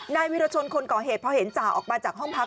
นายวิรชนคนก่อเหตุพอเห็นจ่าออกมาจากห้องพัก